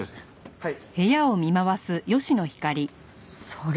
はい。